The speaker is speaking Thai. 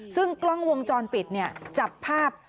ซึ่งกล้องวงจรปิดจับภาพ